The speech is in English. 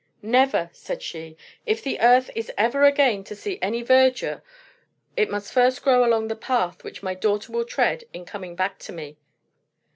"Never," said she. "If the earth is ever again to see any verdure, it must first grow along the path which my daughter will tread in coming back to me."